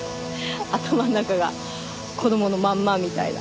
頭の中が子供のまんまみたいな。